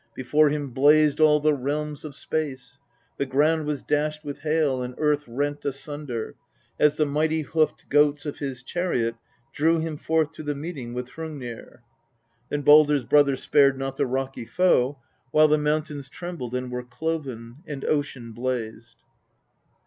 Before him blazed all the realms of space : the ground was dashed with hail, and earth rent asunder, as the mighty hoofed goats of his chariot drew him forth to the meeting with Hrungnir. Then Baldr's brother spared not the rocky foe, while the mountains trembled and were cloven, and ocean blazed.